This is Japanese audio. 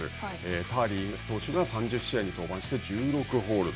ターリー投手が３０試合に登板して１６ホールド。